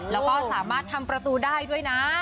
แล้วก็สามารถทำประตูได้ด้วยนะ